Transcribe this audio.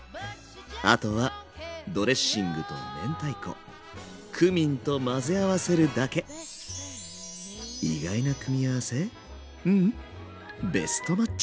あとはドレッシングと明太子クミンと混ぜ合わせるだけいただきます！